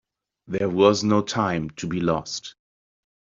There was no time to be lost.